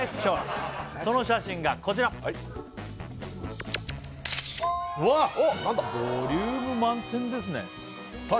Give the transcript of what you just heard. その写真がこちらわっボリューム満点ですねおっ何だ！？